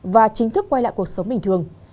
và chính thức quay lại cuộc sống bình thường